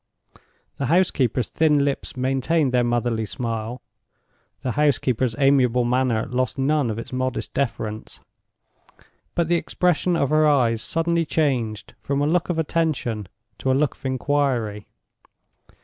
The housekeeper's thin lips maintained their motherly smile; the housekeeper's amiable manner lost none of its modest deference, but the expression of her eyes suddenly changed from a look of attention to a look of inquiry.